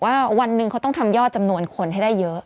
ว่าวันหนึ่งเขาต้องทำยอดจำนวนคนให้ได้เยอะ